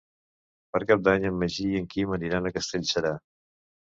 Per Cap d'Any en Magí i en Quim aniran a Castellserà.